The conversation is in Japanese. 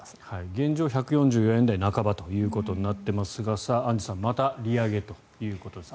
現状１４４円台半ばとなっていますがアンジュさんまた利上げということです。